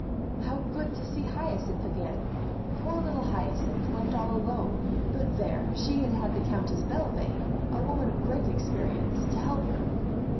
How good to see Hyacinth again! Poor little Hyacinth left all alone; but there! she had had the Countess Belvane, a woman of great experience, to help her.